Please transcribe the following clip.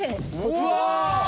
うわ！